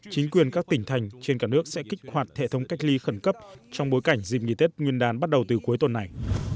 chính quyền các tỉnh thành trên cả nước sẽ kích hoạt hệ thống cách ly khẩn cấp trong bối cảnh dịp nghỉ tết nguyên đán bắt đầu từ cuối tuần này